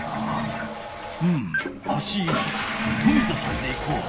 星５つ冨田さんでいこう。